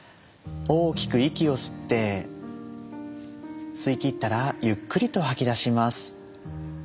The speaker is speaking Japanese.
大きく息を吸って吸いきったらゆっくりと吐き出します。